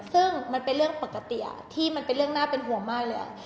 ซึ่งมันเป็นเรื่องปกติที่มันเป็นเรื่องน่าเป็นห่วงมากเลย